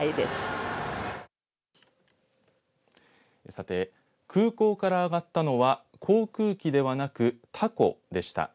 さて、空港から揚がったのは航空機ではなく、たこでした。